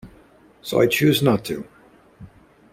So I choose not to.